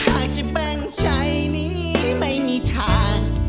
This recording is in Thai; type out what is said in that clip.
หากจะแบ่งชัยนี้ไม่มีทาง